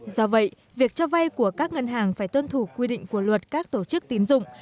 do vậy việc cho vay của các ngân hàng phải tuân thủ quy định của luật các tổ chức tín dụng